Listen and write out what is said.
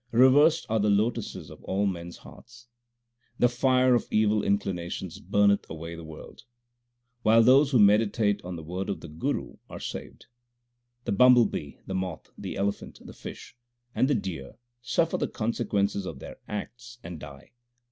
Reversed are the lotuses of all men s hearts : The fire of evil inclinations burneth away the world, While those who meditate on the word of the Guru are saved. The bumble bee, the moth, the elephant, the fish, And the deer 1 suffer the consequences of their acts and die.